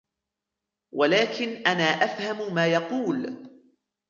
ولكن أنا أفهم ما يقول.